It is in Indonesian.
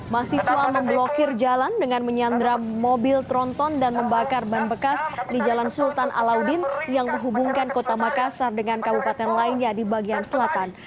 mahasiswa memblokir jalan dengan menyandram mobil tronton dan membakar ban bekas di jalan sultan alaudin yang menghubungkan kota makassar dengan kabupaten lainnya di bagian selatan